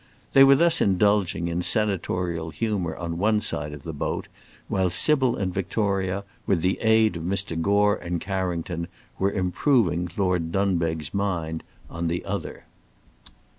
They were thus indulging in senatorial humour on one side of the boat, while Sybil and Victoria, with the aid of Mr. Gore and Carrington, were improving Lord Dunbeg's mind on the other.